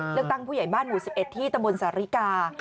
เลือกตั้งผู้ใหญ่บ้านหมู่๑๑ที่ตะบนสริกา